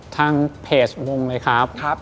ทางเพจวงเลยครับ